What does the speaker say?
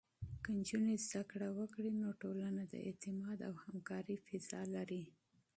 که نجونې زده کړه وکړي، نو ټولنه د اعتماد او همکارۍ فضا لري.